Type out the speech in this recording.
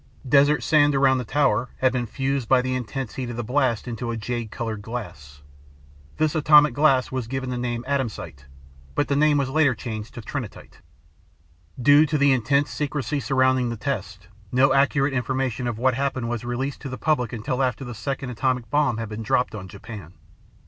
Desert sand around the tower had been fused by the intense heat of the blast into a jade colored glass. This atomic glass was given the name Atomsite, but the name was later changed to Trinitite. Due to the intense secrecy surrounding the test, no accurate information of what happened was released to the public until after the second atomic bomb had been dropped on Japan.